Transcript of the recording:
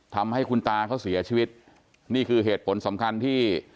ทำให้คุณตาเขาเสียชีวิตนี่คือเหตุผลสำคัญที่